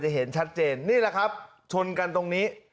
เห็นชัดเจนนี่แหละครับชนกันตรงนี้